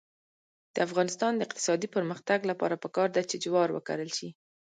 د افغانستان د اقتصادي پرمختګ لپاره پکار ده چې جوار وکرل شي.